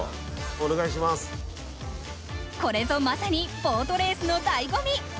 これぞまさにボートレースのだいごみ。